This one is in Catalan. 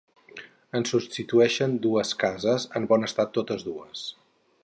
En subsisteixen dues cases, en bon estat totes dues.